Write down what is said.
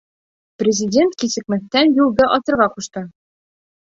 Президент кисекмәҫтән юлды асырға ҡушты.